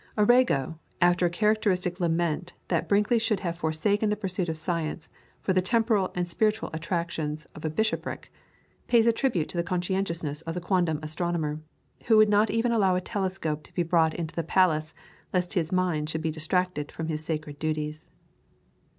Arago, after a characteristic lament that Brinkley should have forsaken the pursuit of science for the temporal and spiritual attractions of a bishopric, pays a tribute to the conscientiousness of the quondam astronomer, who would not even allow a telescope to be brought into the palace lest his mind should be distracted from his sacred duties.